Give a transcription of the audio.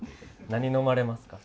何飲まれますか？